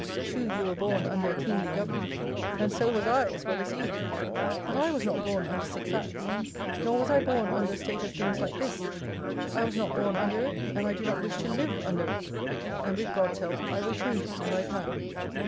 True, you were born under a Kingly Government; and so was I as well as you; but I was not born under Six Acts; nor was I born under a state of things like this. I was not born under it, and I do not wish to live under it; and, with God's help, I will change it if I can.